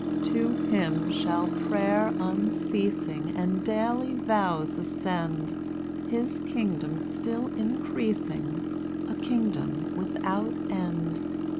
To him shall prayer unceasing, And daily vows ascend; His kingdom still increasing, A kingdom without end.